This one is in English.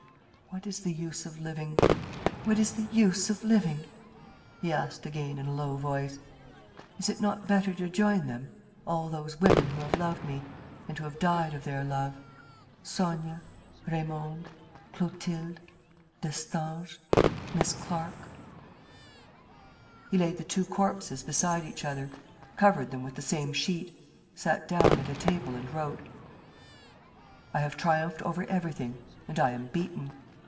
... What is the use of living? ... What is the use of living?" he asked again, in a low voice. "Is it not better to join them, all those women who have loved me ... and who have died of their love ... Sonia, Raymonde, Clotilde, Destange, Miss Clarke? ..." He laid the two corpses beside each other, covered them with the same sheet, sat down at a table and wrote: "I have triumphed over everything and I am beaten.